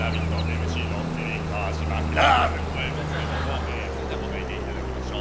ＭＣの麒麟川島明でございますけどもそれでは答えていただきましょう。